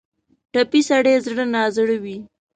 ټپي سړی زړه نا زړه وي.